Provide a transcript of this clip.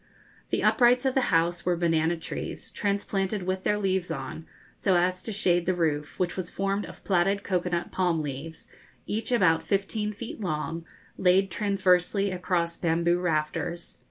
The uprights of the house were banana trees, transplanted with their leaves on, so as to shade the roof, which was formed of plaited cocoa nut palm leaves, each about fifteen feet long, laid transversely across bamboo rafters.